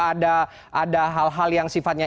ada hal hal yang sifatnya